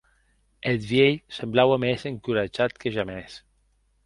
Eth vielh semblaue mès encoratjat que jamès.